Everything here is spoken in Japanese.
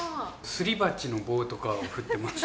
すり鉢の棒とかを振ってます。